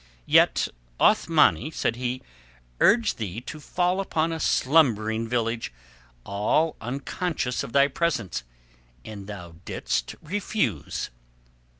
"Yet Othmani," said he, "urged thee to fall upon a slumbering village all unconscious of thy presence, and thou didst refuse."